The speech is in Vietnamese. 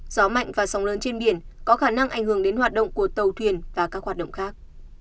gió mạnh và sóng lớn trên biển có khả năng ảnh hưởng đến hoạt động của tàu thuyền và các hoạt động khác